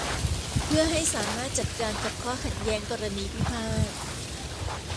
เพื่อให้สามารถจัดการกับข้อขัดแย้งกรณีพิพาท